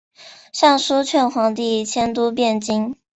上书劝皇帝迁都汴京。